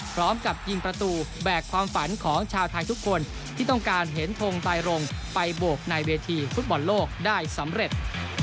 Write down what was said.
พร้อมกับยิงประตูแบกความฝันของชาวไทยทุกคนที่ต้องการเห็นทงไตรรงไปโบกในเวทีฟุตบอลโลกได้สำเร็จ